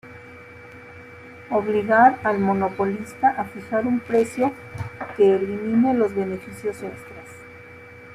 Obligar al monopolista a fijar un precio que elimine los beneficios extras.